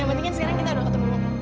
yang penting kan sekarang kita udah ketemu